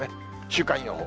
週間予報。